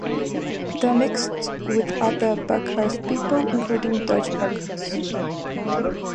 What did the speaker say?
They are mixed with other Burgher people, including Dutch Burghers.